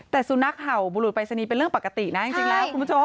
แต่สุนัขเห่าบุรุษปรายศนีย์เป็นเรื่องปกตินะจริงแล้วคุณผู้ชม